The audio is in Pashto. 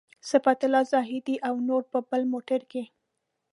صفت الله زاهدي او نور په بل موټر کې.